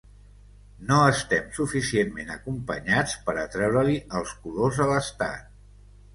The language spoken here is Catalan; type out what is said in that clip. No estem suficientment acompanyats per a treure-li els colors a l’estat.